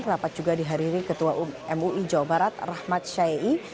rapat juga dihadiri ketua mui jawa barat rahmat syaii